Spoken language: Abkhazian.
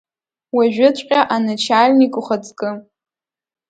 Уажәыҵәҟьа, аначальник ухаҵкы.